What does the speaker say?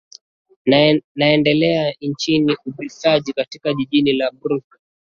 naendelea nchini ubelfiji katika jijini la brussels